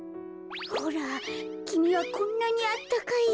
ほらきみはこんなにあったかいよ。